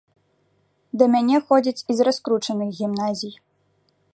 Да мяне ходзяць і з раскручаных гімназій.